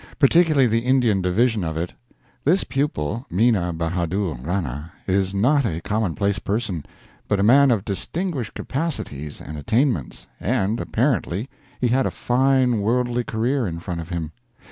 Particularly the Indian division of it. This pupil, Mina Bahadur Rana, is not a commonplace person, but a man of distinguished capacities and attainments, and, apparently, he had a fine worldly career in front of him.